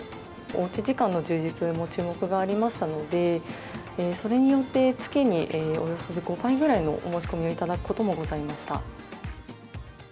おうち時間の充実も注目がありましたので、それによって、月におよそ５倍ぐらいのお申し込みを頂くこともございました。